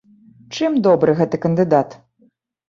Чым добры гэты кандыдат?